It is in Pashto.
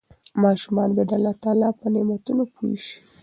ماشومان باید د الله تعالی په نعمتونو پوه شي.